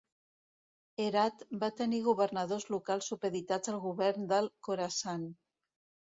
Herat va tenir governadors locals supeditats al govern del Khorasan.